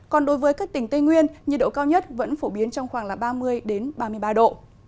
còn đối với các tỉnh tây nguyên nhiệt độ cao nhất vẫn phổ biến trong khoảng ba mươi ba mươi ba độ